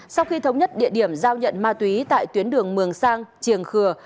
sau khi thống nhất địa điểm giao nhận ma túy tại tuyến đường mường sang triềng khừa